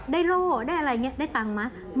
โล่ได้อะไรอย่างนี้ได้ตังค์ไหม